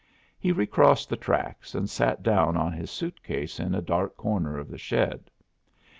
He recrossed the tracks and sat down on his suit case in a dark corner of the shed.